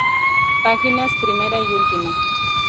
Páginas, primera y última.